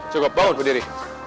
cukup bangun berdiri